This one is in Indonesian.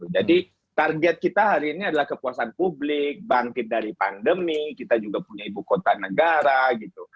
jadi target kita hari ini adalah kepuasan publik bangkit dari pandemi kita juga punya ibu kota negara gitu